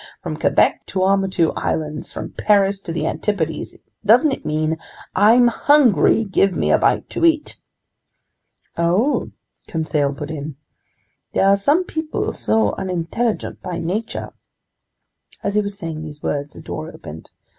From Quebec to the Tuamotu Islands, from Paris to the Antipodes, doesn't it mean: I'm hungry, give me a bite to eat!" "Oh," Conseil put in, "there are some people so unintelligent by nature ..." As he was saying these words, the door opened.